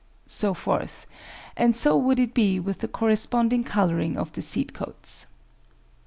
.. and so would it be with the corresponding colouring of the seed coats.